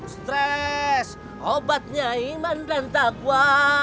stres obatnya iman dan takwa